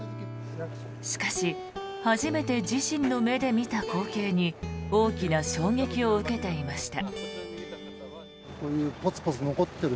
しかし初めて自身の目で見た光景に大きな衝撃を受けていました。